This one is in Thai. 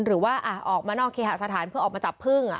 หรือว่าออกมานอกเคหสถานเพื่อออกมาจับพึ่ง